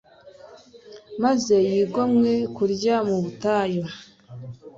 yamaze yigomwe kurya mu butayu